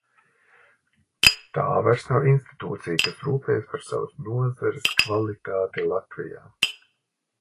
Tā vairs nav institūcija, kas rūpējas par savas nozares kvalitāti Latvijā.